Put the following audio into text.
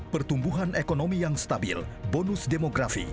pertumbuhan ekonomi yang stabil bonus demografi